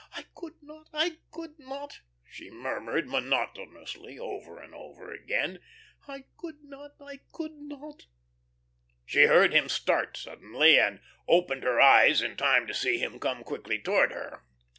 "I could not, I could not," she murmured, monotonously, over and over again. "I could not, I could not." She heard him start suddenly, and opened her eyes in time to see him come quickly towards her.